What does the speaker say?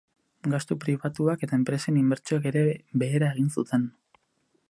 Gastu pribatuak eta enpresen inbertsioek ere behera egin zuten.